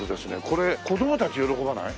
これ子供たち喜ばない？